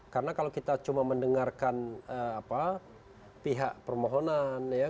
karena kalau kita cuma mendengarkan pihak permohonan ya